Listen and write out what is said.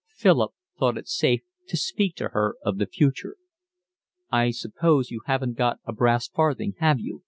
Philip thought it safe to speak to her of the future. "I suppose you haven't got a brass farthing, have you?"